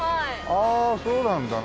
ああそうなんだな。